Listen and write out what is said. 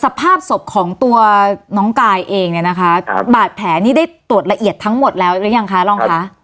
สภาพศพของตัวน้องกายเองเนี่ยนะคะครับบาดแผลนี่ได้ตรวจละเอียดทั้งหมดแล้วหรือยังคะรองคะ